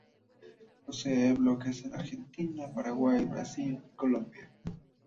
Posee bloques en Argentina, Paraguay, Brasil y Colombia.